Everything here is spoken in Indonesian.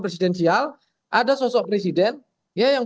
presidensial ada sosok presiden ya yang